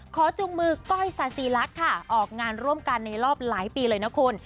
จูงมือก้อยซาซีลักษณ์ค่ะออกงานร่วมกันในรอบหลายปีเลยนะคุณ